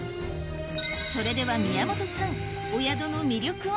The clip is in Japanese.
それでは宮本さん